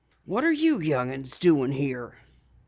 "What are you young 'uns doing here?"